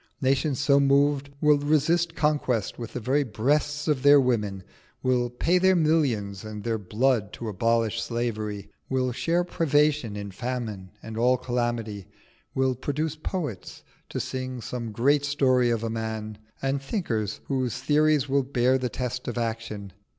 Nations so moved will resist conquest with the very breasts of their women, will pay their millions and their blood to abolish slavery, will share privation in famine and all calamity, will produce poets to sing "some great story of a man," and thinkers whose theories will bear the test of action.